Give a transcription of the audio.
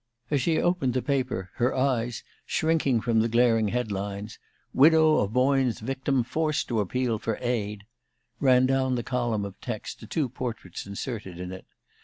As she opened the paper, her eyes, shrinking from the glaring head lines, "Widow of Boyne's Victim Forced to Appeal for Aid," ran down the column of text to two portraits inserted in it.